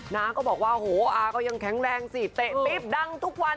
น้าก็บอกว่าโหอาก็ยังแข็งแรงสิเตะปี๊บดังทุกวัน